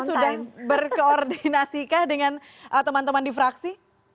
sudah berkoordinasi kah dengan teman teman di fraksi